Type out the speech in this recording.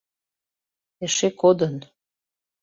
— Эше кодын.